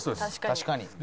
確かに。